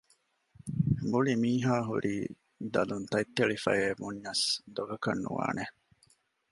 މުޅި މީހާ ހުރީ ދަލުން ތަތްތެޅިފަޔޭ ބުންޏަސް ދޮގަކަށް ނުވާނެ